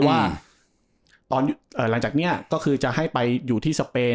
ว่าตอนหลังจากนี้ก็คือจะให้ไปอยู่ที่สเปน